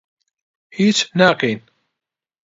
هیچ ناکەین.